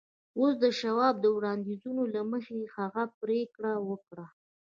اوس د شواب د وړاندیزونو له مخې هغه پرېکړه وکړه